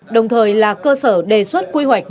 đồng thời là cơ sở đề xuất quy hoạch